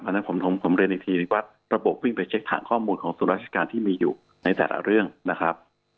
เพราะฉะนั้นผมเรียนอีกทีนึงว่าระบบวิ่งไปเช็คฐานข้อมูลของส่วนราชการที่มีอยู่ในแต่ละเรื่องนะครับ